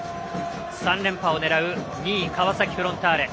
３連覇を狙う２位、川崎フロンターレ。